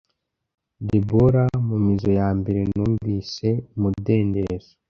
Deborah mu mizo ya mbere numvise m te umudendezo